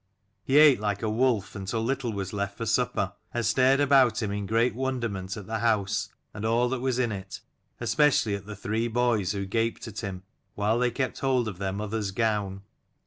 He ate like a wolf, until little was left for supper; and stared about him in great wonderment at the house and all that was in it, especially at the three boys, who gaped at him, while they kept hold of their mother's gown.